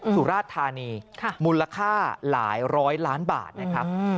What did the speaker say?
สุราชธานีมูลค่าหลายร้อยล้านบาทนะครับ